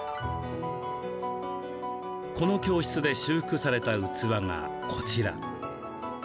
この教室で修復された器がこちら。